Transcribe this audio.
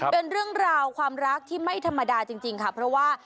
เป็นเรื่องราวความรักที่ไม่ธรรมดาจริงค่ะ